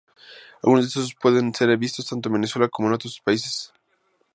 Algunos de estos pueden ser vistos tanto en Venezuela como en otros países.